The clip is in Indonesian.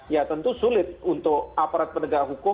ya tentu sulit untuk aparat penegak hukum